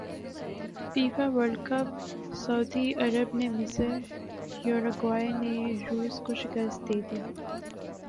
FIFA World Cup سعودی عرب نے مصر یوروگوئے نے روس کو شکست دیدی